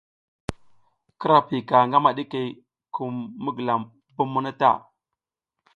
Kira piyika ngama ɗikey kum mi gilam bommo ta.